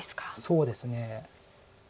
そうですね。